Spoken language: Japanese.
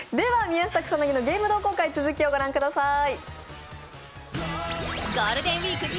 「宮下草薙のゲーム同好会」続きを御覧ください。